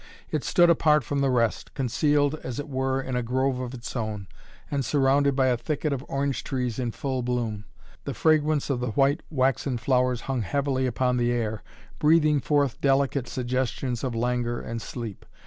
It stood apart from the rest, concealed as it were in a grove of its own, and surrounded by a thicket of orange trees in full bloom. The fragrance of the white waxen flowers hung heavily upon the air, breathing forth delicate suggestions of languor and sleep.